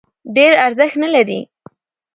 ډېر ارزښت نه لري.